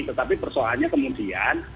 tetapi persoalannya kemudian